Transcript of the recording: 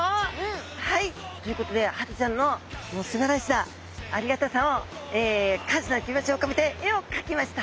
はいということでハタちゃんのすばらしさありがたさを感謝の気持ちを込めて絵を描きました。